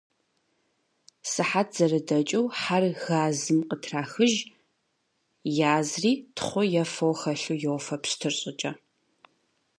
Сыхьэт зэрыдэкӏыу, хьэр газым къытрахыж, язри, тхъу е фо хэлъу йофэ пщтыр щӏыкӏэ.